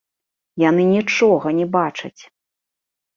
Яны нічога не бачаць!